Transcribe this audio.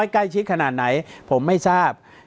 ใกล้ชิดขนาดไหนผมไม่ทราบ